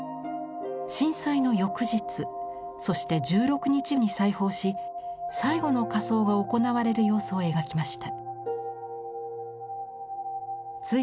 震災の翌日そして１６日に再訪し最後の火葬が行われる様子を描きました。